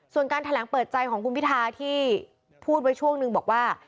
ส่วนการแถลงเปิดใจของคุณพิทาที่พูดไว้ช่วงหนึ่งบอกว่า